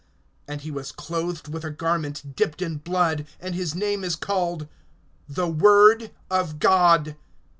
(13)And he was clothed with a garment dipped in blood; and his name is called, The Word of God.